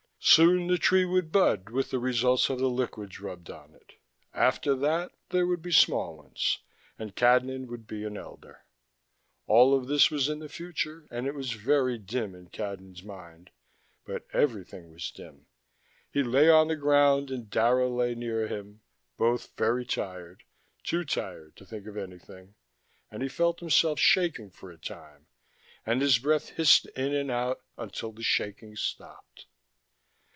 Soon the tree would bud with the results of the liquids rubbed on it: after that, there would be small ones, and Cadnan would be an elder. All of this was in the future and it was very dim in Cadnan's mind, but everything was dim: he lay on the ground and Dara lay near him, both very tired, too tired to think of anything, and he felt himself shaking for a time and his breath hissed in and out until the shaking stopped.